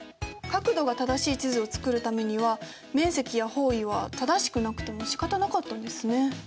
角度が正しい地図を作るためには面積や方位は正しくなくてもしかたなかったんですね。